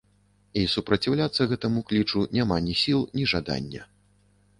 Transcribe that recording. І супраціўляцца гэтаму клічу няма ні сіл, ні жадання.